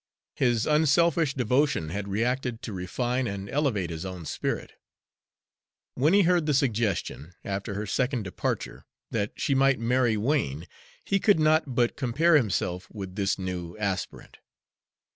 His unselfish devotion had reacted to refine and elevate his own spirit. When he heard the suggestion, after her second departure, that she might marry Wain, he could not but compare himself with this new aspirant.